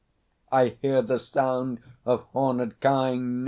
I hear the sound Of hornèd kine.